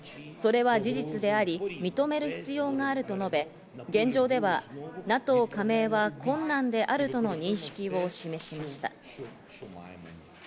それは事実であり、認める必要があると述べ、現状ではＮＡＴＯ加盟は困難であるとの認識を示しました。